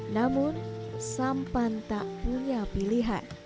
namun sampan tak punya pilihan